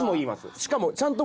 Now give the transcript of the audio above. しかもちゃんと。